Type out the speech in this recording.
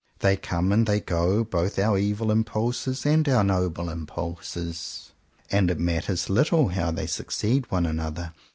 They come and they go, both our evil impulses and our noble impulses; and it 152 JOHN COWPER POWYS matters little how they succeed one another.